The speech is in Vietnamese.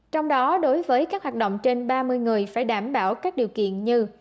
trong đó đối với các hoạt động trên ba mươi người phải đảm bảo các điều kiện như